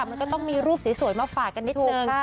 มันก็ต้องมีรูปสวยมาฝากกันนิดนึง